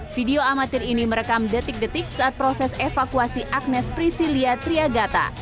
video amatir ini merekam detik detik saat proses evakuasi agnes pricilia triagata